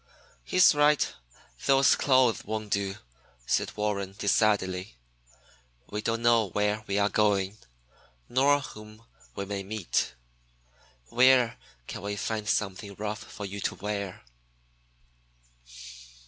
"He's right. Those clothes won't do," said Warren decidedly. "We don't know where we are going, nor whom we may meet. Where can we find something rough for you to wear?"